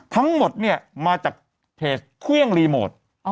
ทั้งหมดเนี่ยมาจากเพจเครื่องรีโมท